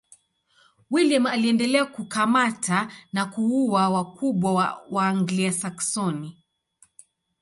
William aliendelea kukamata au kuua wakubwa wa Waanglia-Saksoni.